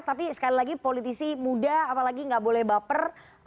tapi sekali lagi politisi muda apalagi nggak boleh baper